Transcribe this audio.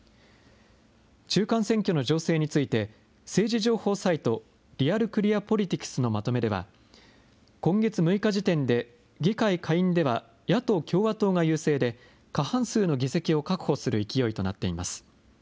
中間選挙の情勢について、政治情報サイト、リアル・クリア・ポリティクスのまとめでは、今月６日時点で、議会下院では野党・共和党が優勢で、過半数の議席を確保する勢いとなっています。